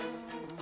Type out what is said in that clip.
あ。